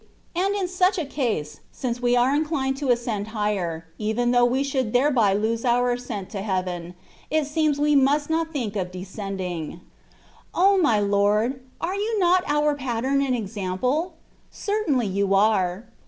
And in such a case, since we are inclined to ascend higher (even though we should thereby lose oiwr ascent to heaven), it seems we must not think of jde9cendi$ig. O my Lord ! are you not our pattern and ex ample ? Certainly you are.